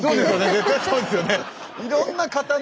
絶対そうですよね。